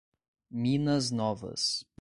Minas Novas